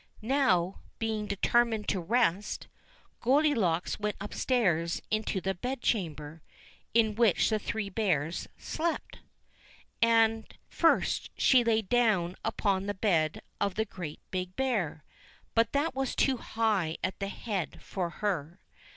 Now, being determined to rest. Goldilocks went upstairs into the bedchamber in which the three Bears slept. And first she lay down upon the bed of the Great Big Bear, but that was too high at the head for her.